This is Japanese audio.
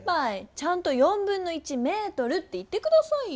ちゃんと1/4メートルって言ってくださいよ！